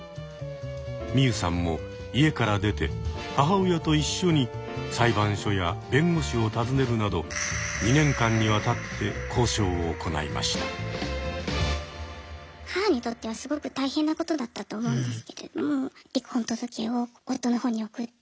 ミユさんも家から出て母親と一緒に裁判所や弁護士を訪ねるなど母にとってはすごく大変なことだったと思うんですけれども離婚届を夫の方に送って。